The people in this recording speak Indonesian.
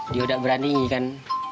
dia sudah berani kan